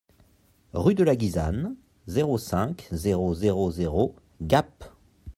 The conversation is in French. Rue de la Guisane, zéro cinq, zéro zéro zéro Gap